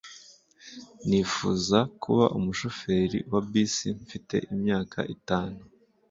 Nifuzaga kuba umushoferi wa bisi mfite imyaka itanu.